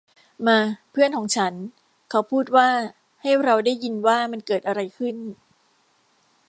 มา เพื่อนของฉัน เขาพูดว่า ’’ให้เราได้ยินว่ามันเกิดอะไรขึ้น ! ’’